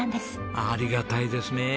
ありがたいですねえ。